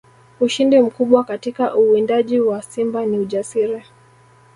Ushindi mkubwa katika uwindaji wa simba ni ujasiri